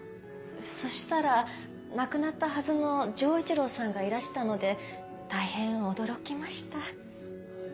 そしたら亡くなったはずの丈一郎さんがいらしたので大変驚きました。